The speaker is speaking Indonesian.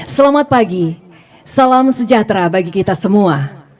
selamat pagi salam sejahtera bagi kita semua